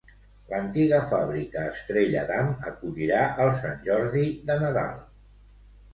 L'Antiga Fábrica Estrella Damm acollirà el Sant Jordi de Nadal.